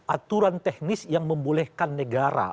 aturan teknis yang membolehkan negara